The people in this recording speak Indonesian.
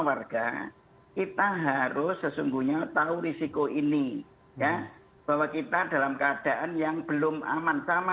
warga kita harus sesungguhnya tahu risiko ini ya bahwa kita dalam keadaan yang belum aman sama